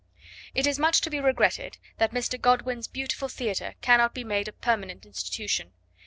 It is much to be regretted that Mr. Godwin's beautiful theatre cannot be made a permanent institution.